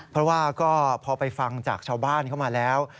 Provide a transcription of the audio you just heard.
เพราะว่าก็พอไปฟังจากชาวบ้านเข้ามาแล้ว